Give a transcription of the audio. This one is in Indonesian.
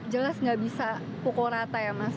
jelas nggak bisa pukul rata ya mas